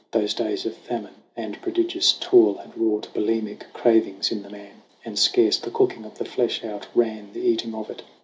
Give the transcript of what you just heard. Those days of famine and prodigious toil Had wrought bulimic cravings in the man, And scarce the cooking of the flesh outran The eating of it.